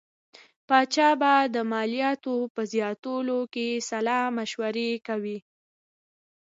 پاچا به د مالیاتو په زیاتولو کې سلا مشورې کوي.